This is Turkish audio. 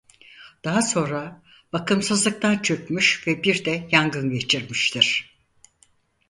Daha sonra bakımsızlıktan çökmüş ve bir de yangın geçirmiştir.